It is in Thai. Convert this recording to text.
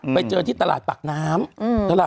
ไปเจอที่ตลาดปากน้ำ